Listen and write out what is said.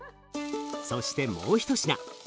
そしてもう一品。